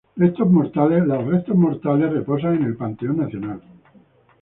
Restos mortales reposan en el Panteón Nacional.